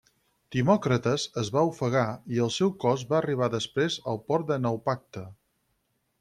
Timòcrates es va ofegar i el seu cos va arribar després al port de Naupacte.